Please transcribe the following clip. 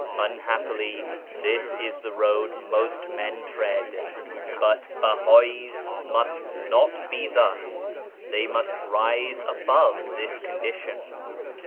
Unhappily this is the road most men tread. But Bahais must not be thus ; they must rise above this condition.